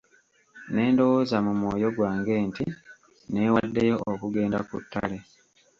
Ne ndowooza mu mwoyo gwange nti neewaddeyo okugenda ku ttale.